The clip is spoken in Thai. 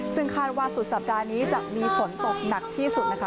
ซึ่งคาดว่าสุดสัปดาห์นี้จะมีฝนตกหนักที่สุดนะคะ